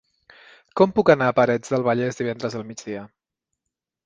Com puc anar a Parets del Vallès divendres al migdia?